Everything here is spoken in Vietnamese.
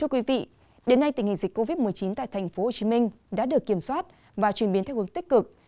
quý vị đến nay tình hình dịch covid một mươi chín tại thành phố hồ chí minh đã được kiểm soát và chuyển biến theo hướng tích cực